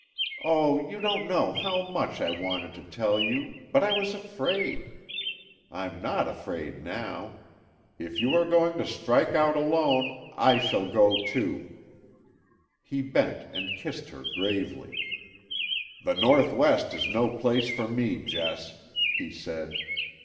Oh, you don't know how much I wanted to tell you; but I was afraid. I'm not afraid now. If you are going to strike out alone, I shall go, too." He bent and kissed her gravely. "The Northwest is no place for me, Jess," he said.